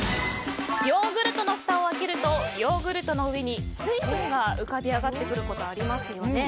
ヨーグルトのふたを開けるとヨーグルトの上に水分が浮かび上がってくることありますよね。